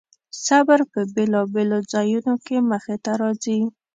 صبر په بېلابېلو ځایونو کې مخې ته راځي.